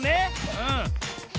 うん。